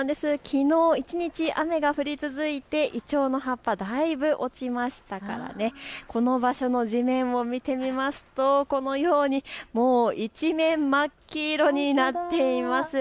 きのう一日雨が降り続いてイチョウの葉っぱ、だいぶ落ちましたからこの場所の地面を見てみますとこのように一面、真っ黄色になっています。